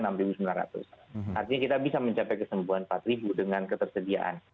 artinya kita bisa mencapai kesembuhan empat ribu dengan ketersediaan